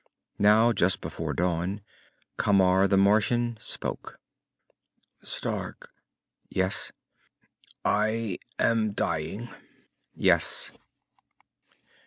Now, just before dawn, Camar the Martian spoke. "Stark." "Yes?" "I am dying." "Yes."